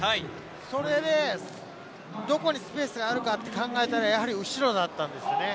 それでどこにスペースがあるかって考えたら、やはり後ろだったんですね。